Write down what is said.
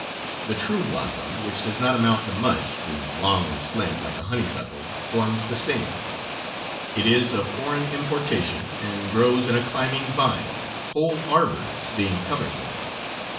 The true blossom, which does not amount to much, being long and slim, like a honeysuckle, forms the stamens. It is of foreign importation, and grows in a climbing vine, whole arbors being covered with it.